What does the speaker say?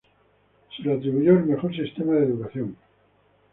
Se le atribuyó el mejor sistema de educación.